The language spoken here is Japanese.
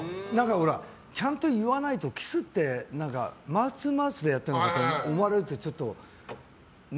ちゃんと言わないとキスってマウスツーマウスでやってると思われるとちょっとね。